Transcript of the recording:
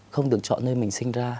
không được chọn nơi mình sinh ra